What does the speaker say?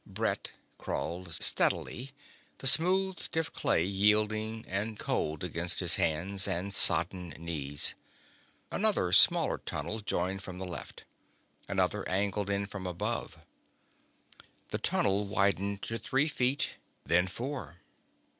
Brett crawled steadily, the smooth stiff clay yielding and cold against his hands and sodden knees. Another smaller tunnel joined from the left. Another angled in from above. The tunnel widened to three feet, then four.